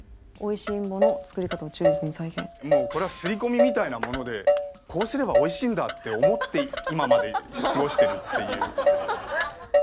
もうこれは刷り込みみたいなものでこうすればおいしいんだって思って今まで過ごしてるっていう。